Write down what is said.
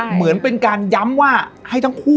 เหมือนเป็นการย้ำว่าให้ทั้งคู่